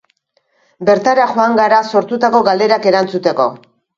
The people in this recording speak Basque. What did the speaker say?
Bertara joan gara sortutako galderak erantzuteko.